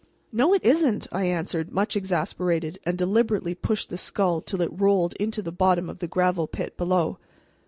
"No, it isn't!" I answered, much exasperated, and deliberately pushed the skull till it rolled into the bottom of the gravel pit below.